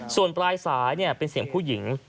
ส่วนปลายสายเป็นเสียงผู้หญิง